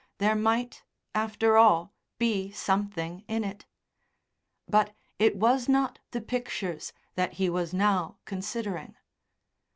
There might, after all, be something in it. But it was not the pictures that he was now considering.